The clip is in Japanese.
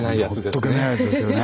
ほっとけないやつですよね。